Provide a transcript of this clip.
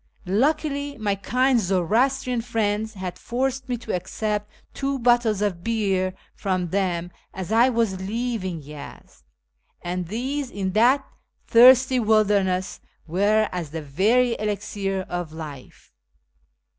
Luckily my kind Zoroastrian friends had forced me to accept two bottles of beer from them as I was leaving Yezd, and these, in that thirsty wilderness, were as the very elixir of life.